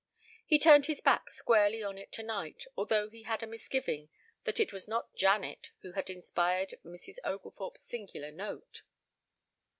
He turned his back squarely on it tonight, although he had a misgiving that it was not Janet who had inspired Mrs. Oglethorpe's singular note.